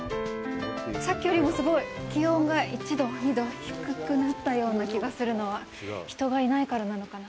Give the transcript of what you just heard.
さっきよりも、すごい気温が１度、２度低くなったような気がするのは、人がいないからなのかな。